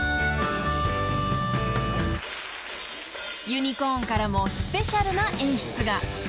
［ユニコーンからもスペシャルな演出が］